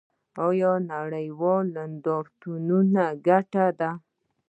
آیا نړیوال نندارتونونه ګټور دي؟